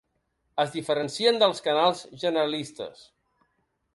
Es diferencien dels canals generalistes.